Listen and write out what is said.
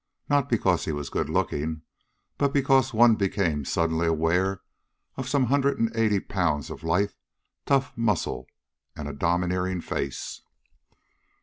Not because he was good looking, but because one became suddenly aware of some hundred and eighty pounds of lithe, tough muscle and a domineering face.